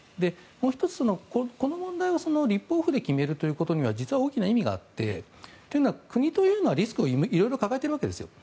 もう１つ、この問題は立法府で決めるということには実は大きな意味があってというのは国というのはリスクを色々抱えているわけです。